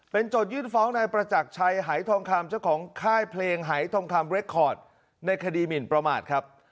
เป็นจดยื่นฟ้องในประจักรชัยหายทองคำเจ้าของค่ายเพลงหายทองคำในคดีหมินประมาทครับ